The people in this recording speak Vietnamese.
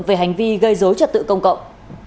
về hành vi gây dối trật tự công cộng